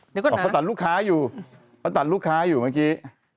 นึกว่านะอะพอตัดลูกค้าอยู่พอตัดลูกค้าอยู่เมื่อกี้